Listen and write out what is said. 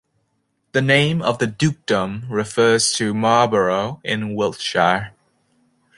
The name of the dukedom refers to Marlborough in Wiltshire.